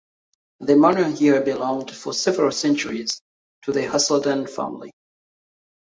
The manor here belonged for several centuries to the Hasilden family.